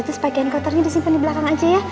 terus pakaian kotornya disimpan di belakang aja ya